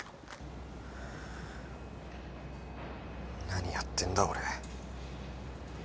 何やってんだ俺。